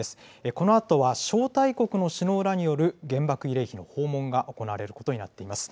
このあとは招待国の首脳らによる原爆慰霊碑の訪問が行われることになっています。